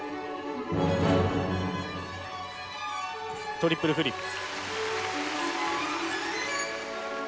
トリプルフリップ。